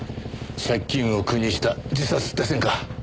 借金を苦にした自殺って線か。